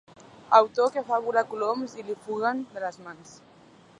Autor que fa volar coloms i li fugen de les mans.